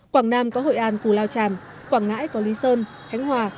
quảng nam có hội an cù lao tràm quảng ngãi có lý sơn khánh hòa